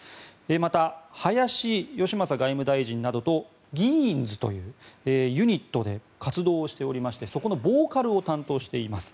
また、林芳正外務大臣などとＧｉ！ｎｚというユニットで活動をしておりましてそこのボーカルを担当しています